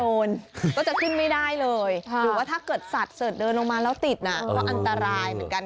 ก็จะขึ้นไม่ได้เลยหรือว่าถ้าเกิดสัตว์เสิร์ชเดินลงมาแล้วติดน่ะก็อันตรายเหมือนกัน